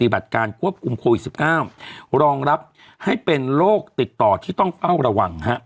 การควบคุมโควิด๑๙รองรับให้เป็นโรคติดต่อที่ต้องเฝ้าระวัง